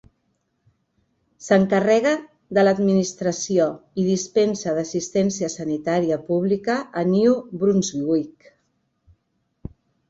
S'encarrega de l'administració i dispensa d'assistència sanitària pública a New Brunswick.